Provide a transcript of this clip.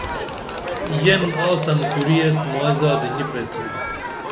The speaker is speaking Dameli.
یین آڅن کُری ایس مائی زادی نی پریسِنا